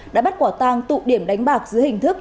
đã bắt quả tang tụ điểm đánh bạc dưới hình thức